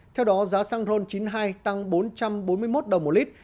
theo đó giá xăng ron chín mươi hai tăng bốn trăm bốn mươi một đồng một lít